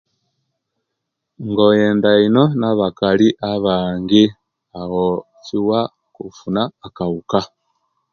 Nga oyenda ino nabakali abaangi awo kiwa okufuna akawuka